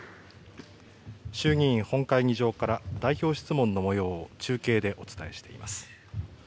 衆議院本会議場から代表質問のもようを中継でお伝えしています。